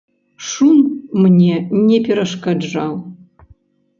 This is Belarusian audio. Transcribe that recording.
Шум мне не перашкаджаў.